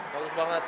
wah bagus banget